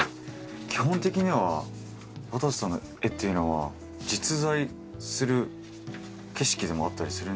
基本的にはわたせさんの絵っていうのは実在する景色でもあったりするんですか？